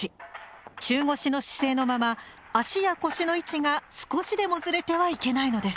中腰の姿勢のまま足や腰の位置が少しでもずれてはいけないのです。